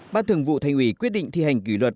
ban thường vụ thành ủy quyết định thi hành kỷ luật